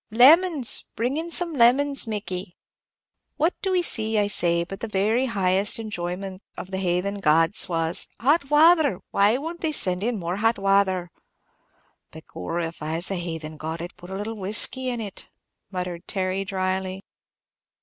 Lemons! bring in some lemons, Mickey. What do we see, I say, but that the very highest enjoyment of the haythen gods was Hot wather! why won't they send in more hot wather?" "Begorra, if I was a haythen god, I 'd like a little whisky in it," muttered Terry, dryly.